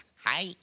はい。